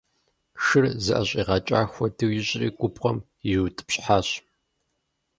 Шыр зыӀэщӀигъэкӀа хуэдэу ищӀри губгъуэм ириутӀыпщхьащ.